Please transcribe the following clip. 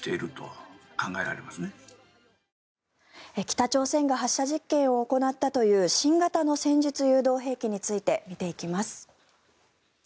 北朝鮮が発射実験を行ったという新型の戦術誘導兵器について見ていきます。